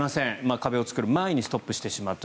壁を作る前にストップしてしまった。